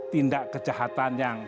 tindak kejahatan yang